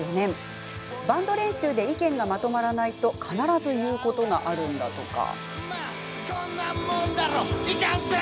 バンド練習で意見がまとまらないと必ず言うことがあるんだとか。